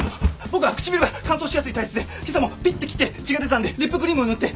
僕は唇が乾燥しやすい体質でけさもぴって切って血が出たんでリップクリームを塗って。